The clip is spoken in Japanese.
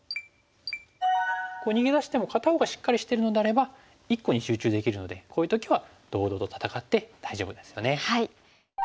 逃げ出しても片方がしっかりしてるのであれば一個に集中できるのでこういう時は堂々と戦って大丈夫ですよね。